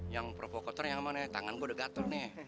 yang provokator yang mana tangan gue udah gatur nih